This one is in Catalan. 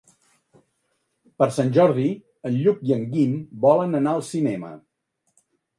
Per Sant Jordi en Lluc i en Guim volen anar al cinema.